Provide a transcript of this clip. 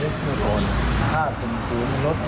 พวกเขาพาลงไปที่ตำรวจแล้ว